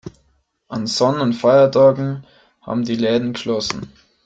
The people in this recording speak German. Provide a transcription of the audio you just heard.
An Sonn- und Feiertagen haben die Läden geschlossen.